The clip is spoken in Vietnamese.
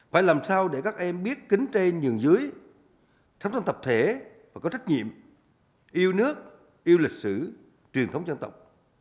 phải làm sao để các em biết kính trên nhường dưới sống trong tập thể và có trách nhiệm yêu nước yêu lịch sử truyền thống dân tộc